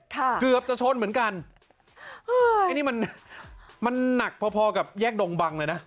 เกือบจะชนเหมือนกันเออไอ้นี่มันมันหนักพอพอกับแยกดงบังเลยนะ